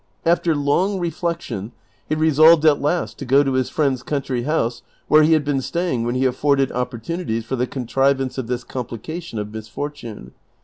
After long reflection he resolved at last to go to his friend's country house where he had been staying when he afforded opportunities for tlie contrivance of this complication of misfortune.